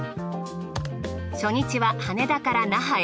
初日は羽田から那覇へ。